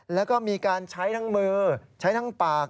แล้วก็มีการใช้ทั้งมือใช้ทั้งปาก